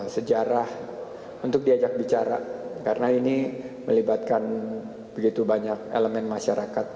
sejarah untuk diajak bicara karena ini melibatkan begitu banyak elemen masyarakat